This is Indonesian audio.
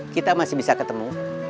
kita masih bisa ketemu